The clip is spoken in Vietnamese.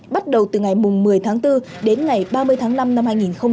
bắt đầu từ ngày một mươi tháng bốn đến ngày ba mươi tháng năm năm hai nghìn hai mươi bốn